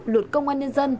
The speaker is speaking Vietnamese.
luật công an nhân dân